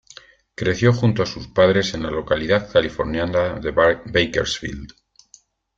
Creció junto a sus padres en la localidad californiana de Bakersfield.